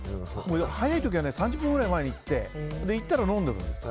早い時は３０分ぐらい前に行って行ったら飲んでるんですよ。